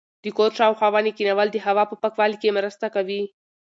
د کور شاوخوا ونې کښېنول د هوا په پاکوالي کې مرسته کوي.